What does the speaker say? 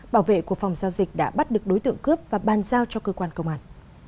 bảo vệ của phòng giao dịch đã bắt được đối tượng cướp và ban giao cho cơ quan công an